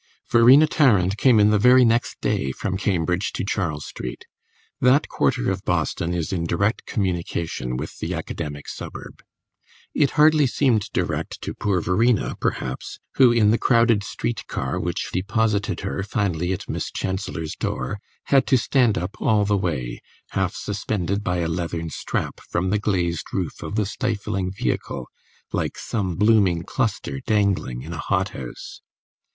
X Verena Tarrant came in the very next day from Cambridge to Charles Street; that quarter of Boston is in direct communication with the academic suburb. It hardly seemed direct to poor Verena, perhaps, who, in the crowded street car which deposited her finally at Miss Chancellor's door, had to stand up all the way, half suspended by a leathern strap from the glazed roof of the stifling vehicle, like some blooming cluster dangling in a hothouse.